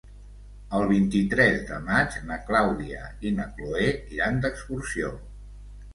El vint-i-tres de maig na Clàudia i na Cloè iran d'excursió.